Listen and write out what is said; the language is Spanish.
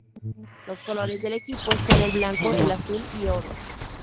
Los colores del equipo son el blanco, el azul y oro.